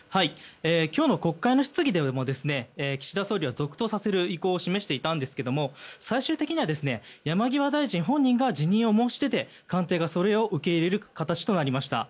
今日の国会の質疑でも岸田総理は続投させる意向を示していたんですが最終的には、山際大臣本人が辞任を申し出て官邸がそれを受け入れる形となりました。